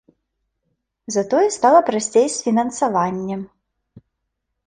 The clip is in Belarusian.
Затое стала прасцей з фінансаваннем.